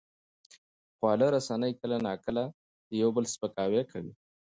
خواله رسنۍ کله ناکله د یو بل سپکاوی کوي.